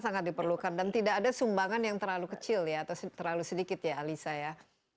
sangat diperlukan dan tidak ada sumbangan yang terlalu kecil ya atau terlalu sedikit ya alisa ya